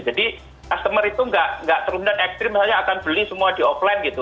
jadi customer itu tidak terundang ekstrim saja akan beli semua di offline gitu